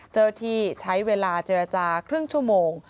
เจ้าหน้าที่ใช้เวลาเจรจาครึ่งชั่วโมง